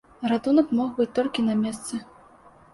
Ратунак мог быць толькі на месцы.